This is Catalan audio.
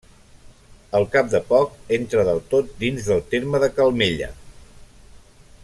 Al cap de poc entra del tot dins del terme de Calmella.